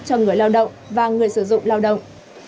cho người lao động và người sử dụng lao động